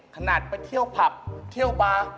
ขนาดไปเที่ยวผับเที่ยวบาร์